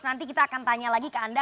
nanti kita akan tanya lagi ke anda